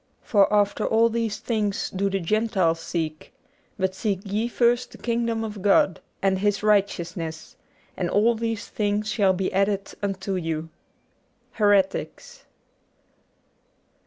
For after all these things do the Gentiles seek. But seek ye first the Kingdom of God, and His righteousness ; and all these things shall be added unto you.' 'Heretics.'